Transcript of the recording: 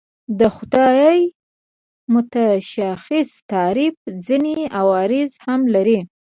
د خدای متشخص تعریف ځینې عوارض هم لري.